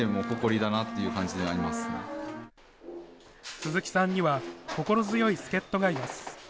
鈴木さんには心強い助っ人がいます。